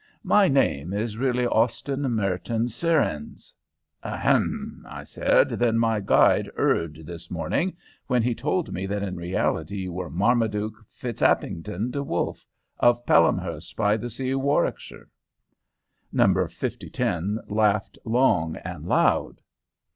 My name is really Austin Merton Surrennes." "Ahem!" I said. "Then my guide erred this morning when he told me that in reality you were Marmaduke Fitztappington De Wolfe, of Pelhamhurst by the Sea, Warwickshire?" Number 5010 laughed long and loud.